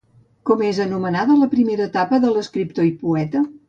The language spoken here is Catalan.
Com és anomenada la primera etapa de l'escriptor i poeta?